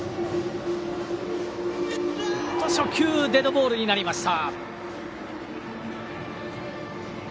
初球、デッドボールになりました。